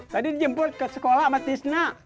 tadi dijemput ke sekolah sama tisna